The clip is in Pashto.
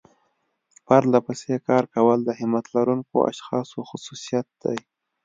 پرلپسې کار کول د همت لرونکو اشخاصو خصوصيت دی.